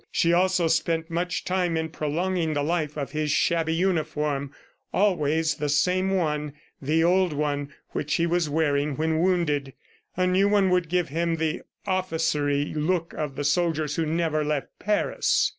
She also spent much time in prolonging the life of his shabby uniform always the same one, the old one which he was wearing when wounded. A new one would give him the officery look of the soldiers who never left Paris.